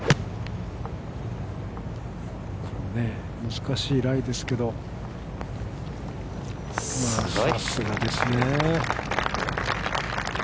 難しいライですけど、さすがですね。